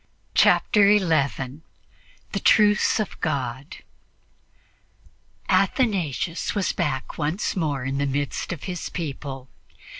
Chapter 11 THE TRUCE OF GOD ATHANASIUS was back once more in the midst of his people.